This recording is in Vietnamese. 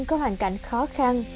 có hoàn cảnh khó khăn